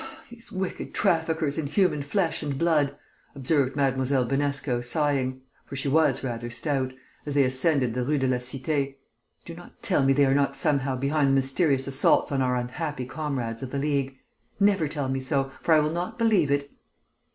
"These wicked traffickers in human flesh and blood," observed Mlle. Binesco sighing (for she was rather stout), as they ascended the Rue de la Cité; "do not tell me they are not somehow behind the mysterious assaults on our unhappy comrades of the League. Never tell me so, for I will not believe it."